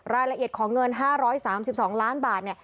รายละเอียดของเงิน๕๓๒ล้านบาท